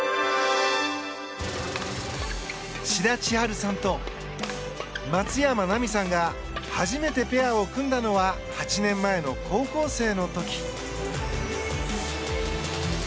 志田千陽さんと松山奈未さんが初めてペアを組んだのは８年前の高校生の時。